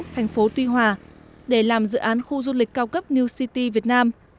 thành phố tuy hòa để làm dự án khu du lịch cao cấp new city việt nam